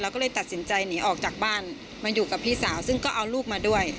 แล้วก็เลยตัดสินใจหนีออกจากบ้านมาอยู่กับพี่สาวซึ่งก็เอาลูกมาด้วย